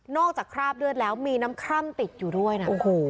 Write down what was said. จากคราบเลือดแล้วมีน้ำคร่ำติดอยู่ด้วยนะ